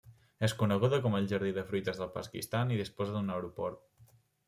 És coneguda com el jardí de fruites del Pakistan i disposa d'un aeroport.